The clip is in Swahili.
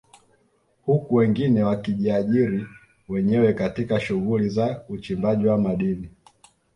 Huku wengine wakijiajiri wenyewe katika shughuli za uchimbaji wa madini